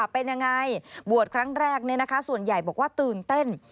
เป็นยังไงบวชครั้งแรกส่วนใหญ่บอกว่าตื่นเต้น